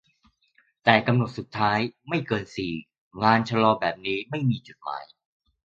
"แต่กำหนดสุดท้าย ไม่เกินซี งานชลอแบบนี้ไม่มีจุดหมาย"